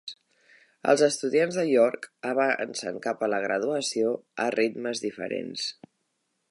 Els estudiants de York avancen cap a la graduació a ritmes diferents.